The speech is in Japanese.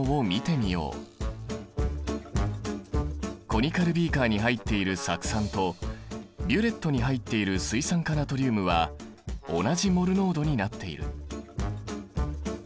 コニカルビーカーに入っている酢酸とビュレットに入っている水酸化ナトリウムは同じモル濃度になっている。